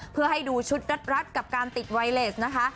เพื่อให้ดูชุดรัดกับการติดไวเลสนะคะ